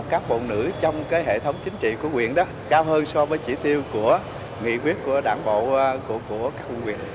cán bộ nữ trong hệ thống chính trị của huyện đó cao hơn so với chỉ tiêu của nghị quyết của đảng bộ của các huyện